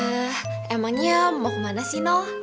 ah emangnya mau kemana sih nol